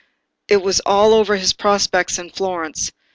It was all over with his prospects in Florence.